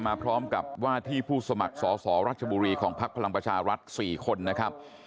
มาพร้อมกับว่าที่ผู้สมัครสอสอรัชบุรีของพักพลังประชารัฐ๔คนนะครับ